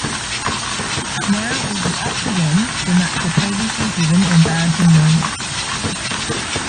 Now it was up to them to match the previously-given embarrassing moment.